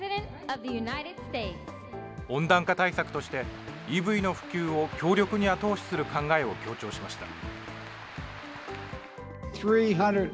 温暖化対策として、ＥＶの普及を強力に後押しする考えを強調しました。